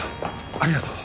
ありがとう。